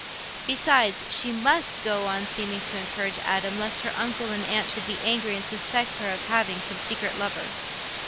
Besides, she must go on seeming to encourage Adam, lest her uncle and aunt should be angry and suspect her of having some secret lover.